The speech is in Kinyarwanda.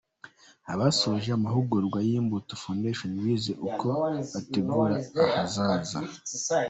Abasoje amahugurwa ya Imbuto Foundation bize uko bategura ahazaza